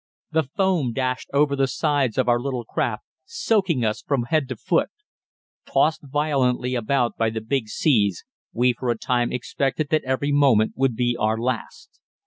The foam dashed over the sides of our little craft, soaking us from head to foot. Tossed violently about by the big seas, we for a time expected that every moment would be our last.